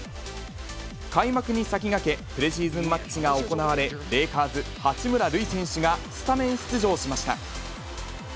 開幕に先駆け、プレシーズンマッチが行われ、レイカーズ、八村塁選手がスタメン出場しました。